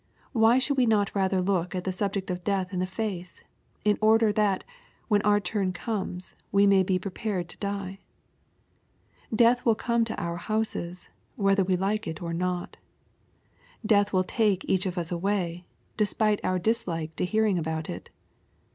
Why should we not rather look the subject of death in the face, in order that when our turn comes we may be prepared to die ? Death will come to our houses, whether we like it or not. Death will take each of us away, despite our dislike to hearing about it.